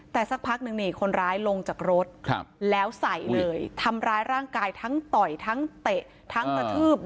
แต่สักพักหนึ่งนี่คนร้ายลงจากรถแล้วใส่เลยทำร้ายร่างกายทั้งต่อยทั้งเตะทั้งกระทืบ